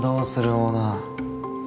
オーナー。